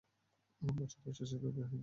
বছরের শেষেই তোর বিয়ে দেব।